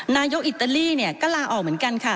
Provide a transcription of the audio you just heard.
นายกอิตาลีเนี่ยก็ลาออกเหมือนกันค่ะ